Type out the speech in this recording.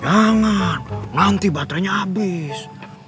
jangan nanti baterainya abis